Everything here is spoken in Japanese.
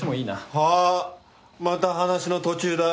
あぁまた話の途中だ。